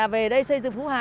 về đây xây dựng phú hà